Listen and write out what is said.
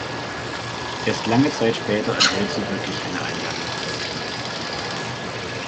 Erst lange Zeit später erhält sie wirklich eine Einladung nach Deutschland.